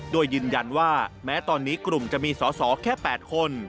โดยยืนยันว่าแม้ตอนนี้กลุ่มจะมีสอสอแค่๘คน